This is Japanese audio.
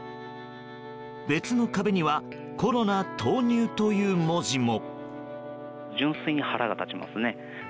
別の壁には「コロナ投入」という文字も。